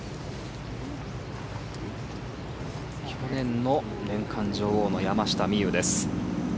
去年の年間女王の山下美夢有です。